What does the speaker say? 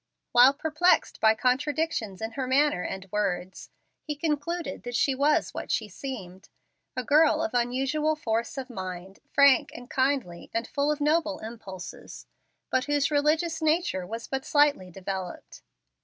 While perplexed by contradictions in her manner and words, he concluded that she was what she seemed, a girl of unusual force of mind, frank and kindly, and full of noble impulses, but whose religious nature was but slightly developed.